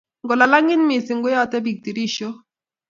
Ngolalangit missing koyate bik tirishook